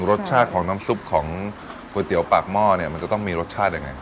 รสชาติของน้ำซุปของก๋วยเตี๋ยวปากหม้อเนี่ยมันจะต้องมีรสชาติยังไง